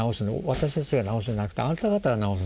私たちが直すんじゃなくてあなた方が直す。